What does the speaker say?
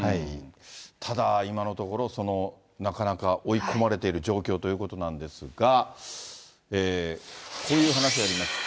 ただ、今のところ、なかなか追い込まれている状況ということなんですが、こういう話がありまして。